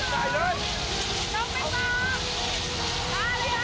หน้าอะไรก็น่ะ